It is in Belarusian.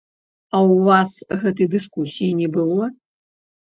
А ў вас гэтай дыскусіі не было.